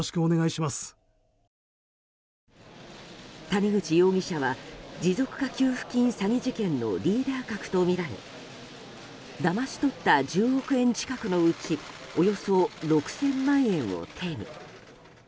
谷口容疑者は持続化給付金詐欺事件のリーダー格とみられだまし取った１０億円近くのうちおよそ６０００万円を手に。